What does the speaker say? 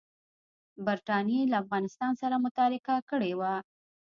برټانیې له افغانستان سره متارکه کړې وه.